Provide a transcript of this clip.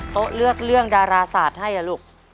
โต๊ะเลือกเรื่องดาราศาสตร์ให้อ่ะลูก